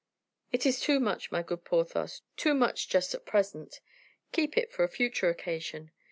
"It is too much, my good Porthos, too much just at present... Keep it for a future occasion."